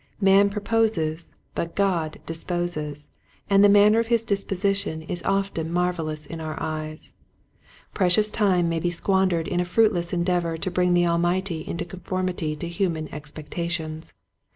Man proposes but God disposes, and the manner of his disposition is often marvel ous in our eyes. Precious time may be squandered in a fruitless endeavor to bring the Almighty into conformity to human expectations.